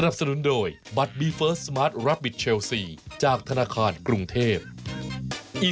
โปรดติดตามตอนต่อไป